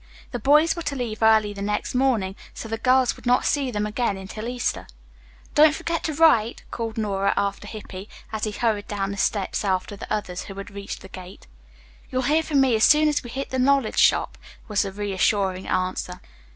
The boys were to leave early the next morning, so the girls would not see them again until Easter. "Don't forget to write," called Nora after Hippy, as he hurried down the steps after the others, who had reached the gate. "You'll hear from me as soon as we hit the knowledge shop," was the reassuring answer.